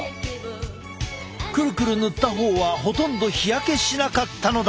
クルクル塗った方はほとんど日焼けしなかったのだ！